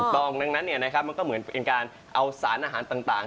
ถูกต้องดังนั้นเนี่ยนะครับมันก็เหมือนเป็นการเอาสารอาหารต่าง